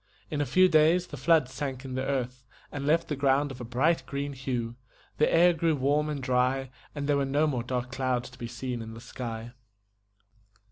In a few days the floods sank in the earth, and left the ground of a bright green hue; the air grew warm and dry, and there were no more dark clouds to be seen in the sky.